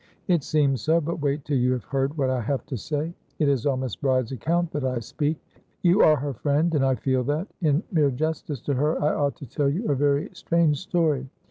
"It seems so, but wait till you have heard what I have to say. It is on Miss Bride's account that I speak. You are her friend, and I feel that, in mere justice to her, I ought to tell you a very strange story.